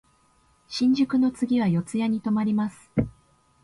新宿の次は四谷に止まります。